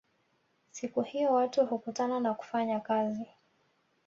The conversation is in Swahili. Siku hiyo watu hukutana na kufanya kazi